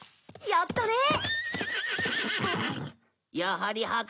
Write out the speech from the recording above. やったー！